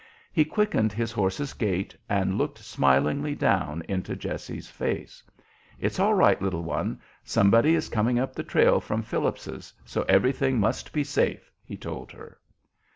He quickened his horse's gait, and looked smilingly down into Jessie's face. "It's all right, little one! Somebody is coming up the trail from Phillips's, so everything must be safe," he told her.